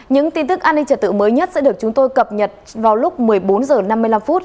những tin tức an ninh trật tự mới nhất sẽ được chúng tôi cập nhật vào lúc một mươi bốn h năm mươi năm